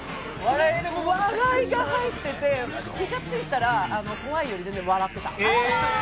笑いが入ってて、気がついたら怖いより全然笑ってた。